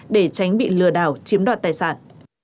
để tránh bị lừa đảo chiếm đoạt tài sản